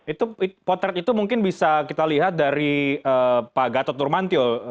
itu potret itu mungkin bisa kita lihat dari pak gatot nurmantio